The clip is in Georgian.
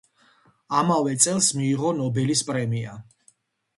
ამავე წელს მიიღო ნობელის პრემია.